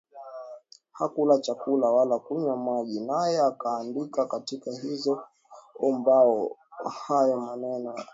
hakula chakula wala hakunywa maji Naye akaandika katika hizo mbao hayo maneno ya maagano